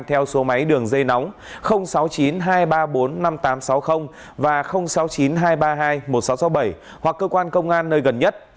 theo số máy đường dây nóng sáu mươi chín hai trăm ba mươi bốn năm nghìn tám trăm sáu mươi và sáu mươi chín hai trăm ba mươi hai một nghìn sáu trăm sáu mươi bảy hoặc cơ quan công an nơi gần nhất